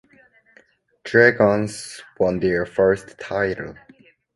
Dragons won their first title.